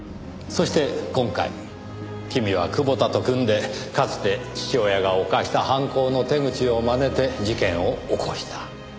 そして今回君は久保田と組んでかつて父親が犯した犯行の手口を真似て事件を起こした。